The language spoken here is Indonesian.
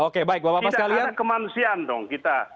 tidak ada kemanusiaan dong